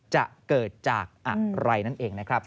จะเกิดจากอะไรนั่นเองนะครับ